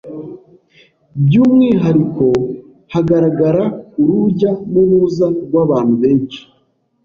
by’umwihariko hagaragara urujya n’uruza rw’abantu benshi